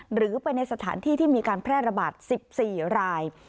หรือไปในสถานที่ที่มีการแพร่ระบาด๑๔ราย